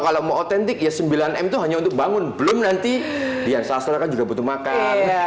kalau mau otentik ya sembilan m itu hanya untuk bangun belum nanti dian sastra kan juga butuh makan